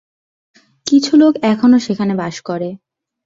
কিছু লোক এখনও সেখানে বাস করে।